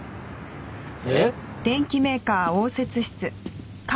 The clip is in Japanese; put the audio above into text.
えっ？